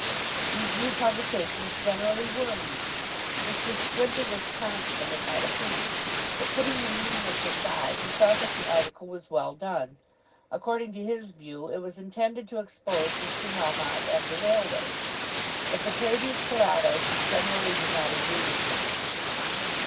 These new publications generally were mean. Mr. Splinter was constant in that opinion; but, putting the meanness aside, he thought that the article was well done. According to his view it was intended to expose Mr. Melmotte and the railway. But the Paides Pallados generally did not agree with him.